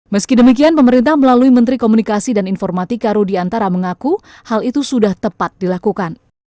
meski demikian pemerintah melalui menteri komunikasi dan informatika rudiantara mengaku hal itu sudah tepat dilakukan